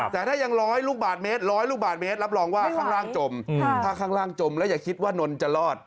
แต่ถ้ายังร้อยลูกบาทเมตร๑๐๐ลูกบาทเมตรรับรองว่าข้างล่างจมถ้าข้างล่างจมแล้วอย่าคิดว่านนจะรอด